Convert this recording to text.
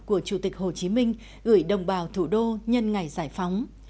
của chủ tịch hồ chí minh gửi đồng bào thủ đô nhân ngày giải phóng